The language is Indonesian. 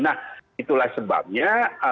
nah itulah sebabnya